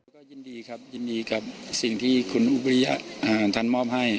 ก็ยินดีครับยินดีกับสิ่งที่คุณอุบริยะท่านมอบให้